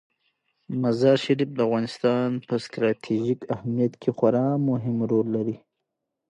مزارشریف د افغانستان په ستراتیژیک اهمیت کې خورا مهم رول لري.